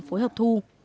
phối hợp thu